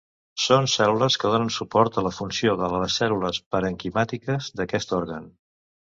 Són cèl·lules que donen suport a la funció de les cèl·lules parenquimàtiques d'aquest òrgan.